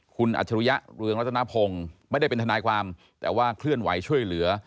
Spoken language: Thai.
คุณอัจฉริยะเรืองรัตนพงศ์ไม่ได้เป็นทนายความแต่ว่าเคลื่อนไหวช่วยเหลือ